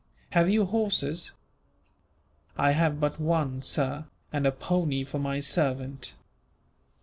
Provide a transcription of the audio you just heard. "Have you horses?" "I have but one, sir, and a pony for my servant."